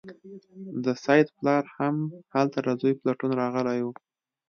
د سید پلار هم هلته د زوی په لټون راغلی و.